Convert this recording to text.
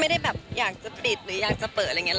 ไม่ได้แบบอยากจะติดหรืออยากจะเปิดอะไรอย่างนี้